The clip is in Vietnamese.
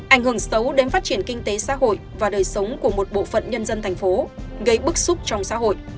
ảnh hưởng xấu đến phát triển kinh tế xã hội và đời sống của một bộ phận nhân dân thành phố gây bức xúc trong xã hội